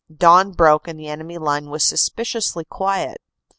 Dawn broke and the enemy line was suspiciously quiet.